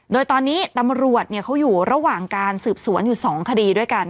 โดยตอนนี้ตำรวจเขาอยู่ระหว่างการสืบสวนอยู่๒คดีด้วยกัน